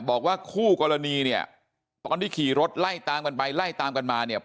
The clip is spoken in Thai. บอกว่าคู่กรณีเนี่ยตอนที่ขี่รถไล่ตามกันไปไล่ตามกันมาเนี่ย